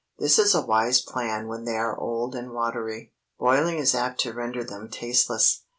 This is a wise plan when they are old and watery. Boiling is apt to render them tasteless.